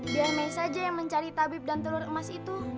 biar main saja yang mencari tabib dan telur emas itu